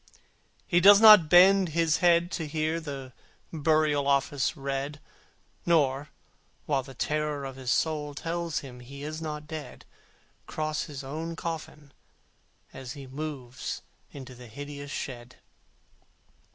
He does not bend his head to hear The Burial Office read, Nor, while the anguish of his soul Tells him he is not dead, Cross his own coffin, as he moves Into the hideous shed.